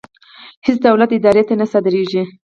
هېڅ دولتي ادارې ته نه صادرېږي.